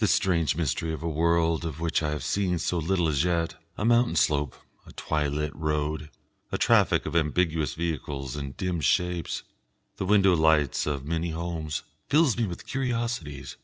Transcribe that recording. This strange mystery of a world of which I have seen so little as yet a mountain slope, a twilit road, a traffic of ambiguous vehicles and dim shapes, the window lights of many homes fills me with curiosities.